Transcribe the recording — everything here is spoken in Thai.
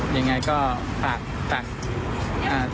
อย่างไรก็ฝากทุกคน